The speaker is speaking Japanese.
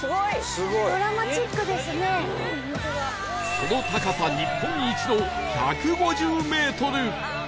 その高さ日本一の１５０メートル！